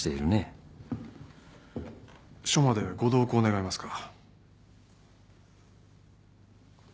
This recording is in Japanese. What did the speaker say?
署までご同行願えますか。